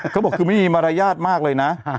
เขาบอกคือไม่มีมารยาทมากเลยนะ